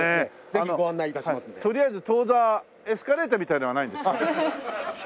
とりあえず当座エスカレーターみたいなのはないんですか？